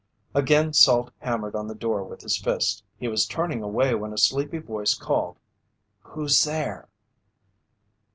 Again Salt hammered on the door with his fist. He was turning away when a sleepy voice called: "Who's there?"